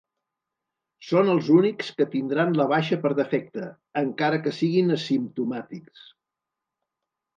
Són els únics que tindran la baixa per defecte, encara que siguin asimptomàtics.